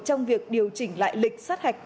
trong việc điều chỉnh lại lịch sát hạch